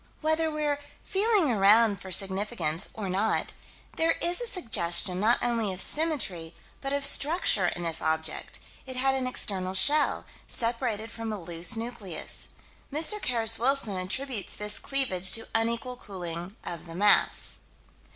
Whether we're feeling around for significance or not, there is a suggestion not only of symmetry but of structure in this object: it had an external shell, separated from a loose nucleus. Mr. Carus Wilson attributes this cleavage to unequal cooling of the mass.